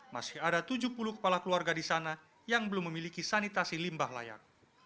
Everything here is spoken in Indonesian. masih ada tujuh puluh kepala keluarga di sana yang belum memiliki sanitasi limbah layak